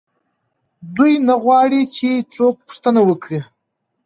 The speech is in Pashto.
دوی نه غواړي چې څوک پوښتنه وکړي.